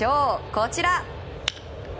こちら。